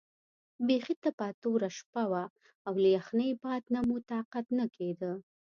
بیخي تپه توره شپه وه او له یخنۍ باد نه مو طاقت نه کېده.